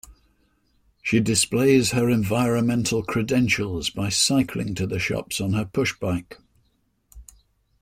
She displays her environmental credentials by cycling to the shops on her pushbike